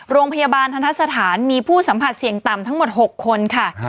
โรงพยาบาลทันทะสถานมีผู้สัมผัสเสี่ยงต่ำทั้งหมด๖คนค่ะ